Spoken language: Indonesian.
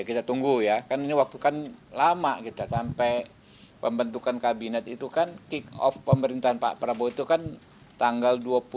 kita tunggu ya kan ini waktu kan lama kita sampai pembentukan kabinet itu kan kick off pemerintahan pak prabowo itu kan tanggal dua puluh